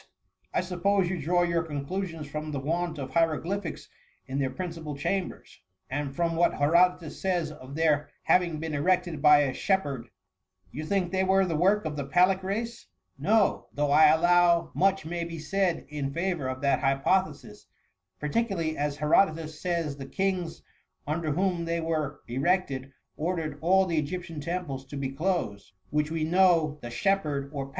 I suppose you draw your conclu sions from the want of hieroglyphics in their principal chambers ; and, from what Herodotus says of their having been erected by a shep herd, you think they were the work of the Pallic raJce." *^ No ; though I allow much may be said in favour of that hypothesis, particularly as He rodotus says the kings under whom they were erected, ordered all the Egyptian temples to be closed, which we know the shepherd or VOL.